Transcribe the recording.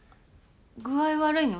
具合悪いの？